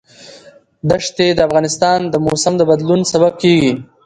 دښتې د افغانستان د موسم د بدلون سبب کېږي.